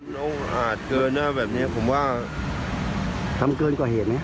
แล้วอาจเกินหน้าแบบนี้ผมว่าทำเกินกว่าเหตุไหม